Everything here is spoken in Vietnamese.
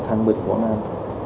ở thành bình quảng nam